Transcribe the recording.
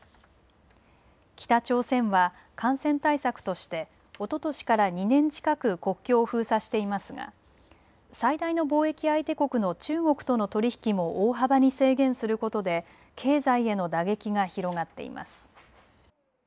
北朝鮮は感染対策としておととしから２年近く国境を封鎖していますが最大の貿易相手国の中国との取り引きも大幅に制限することで経済への打撃が広がっています。